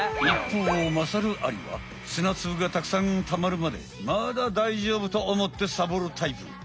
いっぽうまさるアリは砂つぶがたくさんたまるまでまだ大丈夫と思ってサボるタイプ。